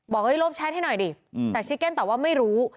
ลบแชทให้หน่อยดิแต่ชิเก้นตอบว่าไม่รู้